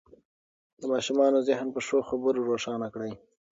د ماشومانو ذهن په ښو خبرو روښانه کړئ.